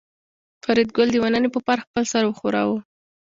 فریدګل د مننې په پار خپل سر وښوراوه